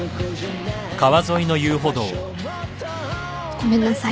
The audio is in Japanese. ごめんなさい。